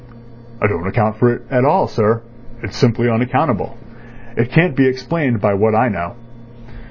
"I don't account for it at all, sir. It's simply unaccountable. It can't be explained by what I know."